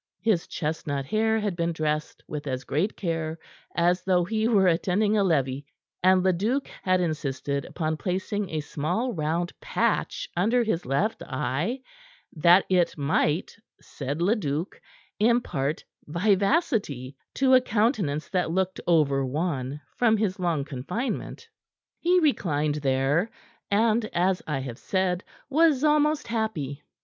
His chestnut hair had been dressed with as great care as though he were attending a levee, and Leduc had insisted upon placing a small round patch under his left eye, that it might said Leduc impart vivacity to a countenance that looked over wan from his long confinement. He reclined there, and, as I have said, was almost happy.